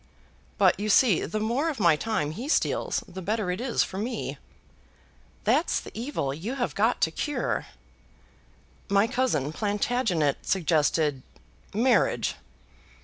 But you see the more of my time he steals the better it is for me." "That's the evil you have got to cure." "My cousin Plantagenet suggested marriage."